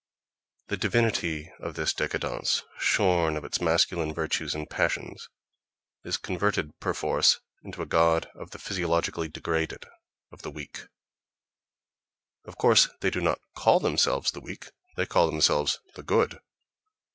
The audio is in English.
The divinity of this décadence, shorn of its masculine virtues and passions, is converted perforce into a god of the physiologically degraded, of the weak. Of course, they do not call themselves the weak; they call themselves "the good."...